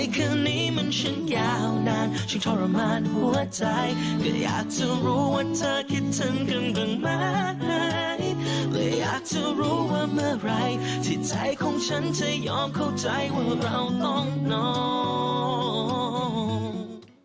ก็อยากจะรู้ว่าเธอคิดถึงกันมากไหนแต่อยากจะรู้ว่าเมื่อไหร่ที่ใจของฉันจะยอมเข้าใจว่าเราต้องนอน